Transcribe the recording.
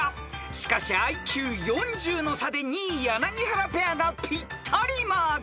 ［しかしＩＱ４０の差で２位柳原ペアがぴったりマーク］